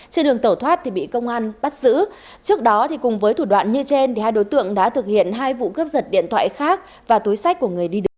trên đường tẩu thoát thì bị công an bắt giữ trước đó cùng với thủ đoạn như trên hai đối tượng đã thực hiện hai vụ cướp giật điện thoại khác và túi sách của người đi đường